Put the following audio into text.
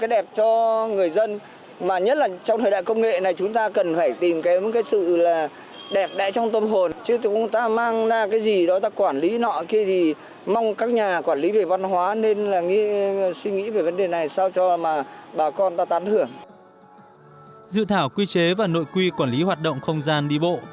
dự thảo quy chế và nội quy quản lý hoạt động không gian đi bộ